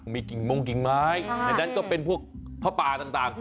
มีกิ่งมงกิ่งไม้ในนั้นก็เป็นพวกผ้าป่าต่าง